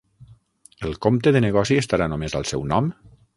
El compte de negoci estarà només al seu nom?